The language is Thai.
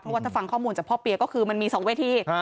เพราะว่าถ้าฟังข้อมูลจากพ่อเปียก็คือมันมี๒เวที